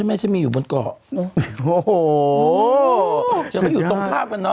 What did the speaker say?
แกไม่อยู่ตรงข้างกันเนาะ